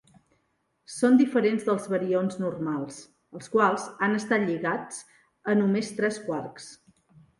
Són diferents dels barions normals, els quals estan lligats a només tres quarks.